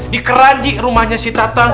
di keranji rumahnya si tatang